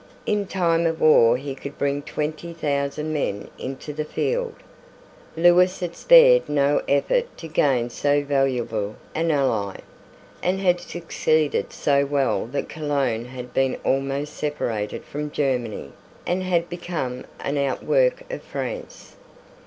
In time of war he could bring twenty thousand men into the field. Lewis had spared no effort to gain so valuable an ally, and had succeeded so well that Cologne had been almost separated from Germany, and had become an outwork of France.